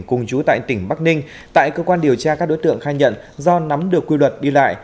cùng chú tại tỉnh bắc ninh tại cơ quan điều tra các đối tượng khai nhận do nắm được quy luật đi lại